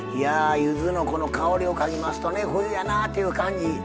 ゆずの香りを嗅ぎますと冬やなっていう感じ